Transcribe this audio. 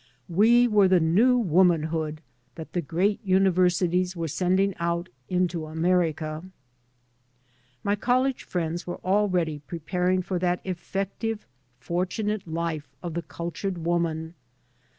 We were the new womanhood that the great universities were sending out into America. My college friends were already preparing for that efEective fortunate life of the cultured woman.